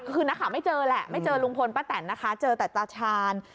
คือนักข่าวไม่เจอแหละไม่เจอลุงพลป้าแตนนะคะเจอแต่ตาชาญ